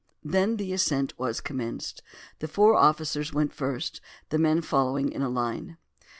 Then the ascent was commenced. The four officers went first, the men following in a line.